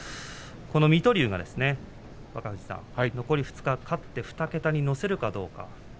水戸龍が残り２日勝って２桁に乗せるかどうか。